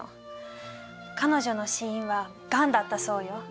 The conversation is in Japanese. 彼女の死因はガンだったそうよ。